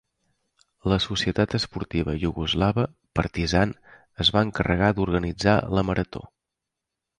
La Societat Esportiva Iugoslava "Partizan" es va encarregar d'organitzar la marató.